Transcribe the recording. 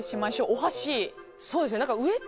お箸。